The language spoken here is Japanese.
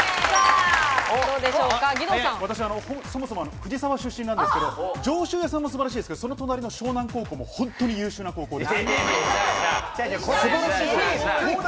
私そもそも藤沢出身なんですけど上州屋さんも素晴らしいですけど、その隣の湘南高校も、本当に優秀な高校です。